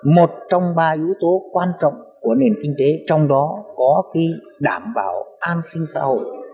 một trong ba yếu tố quan trọng của nền kinh tế trong đó có đảm bảo an sinh xã hội